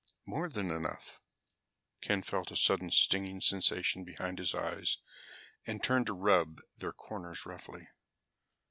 "More than enough." Ken felt a sudden stinging sensation behind his eyes and turned to rub their corners roughly.